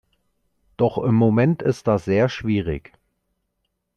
Doch im Moment ist das sehr schwierig.